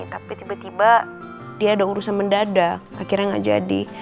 tapi tiba tiba dia ada urusan mendadak akhirnya nggak jadi